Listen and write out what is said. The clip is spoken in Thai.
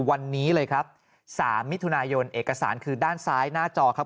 วันนี้เลยครับสามมิถุนายนเอกสารคือด้านซ้ายหน้าจอครับ